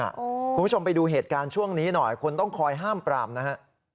คุณผู้ชมไปดูเหตุการณ์ช่วงนี้หน่อยคนต้องคอยห้ามปรามนะฮะ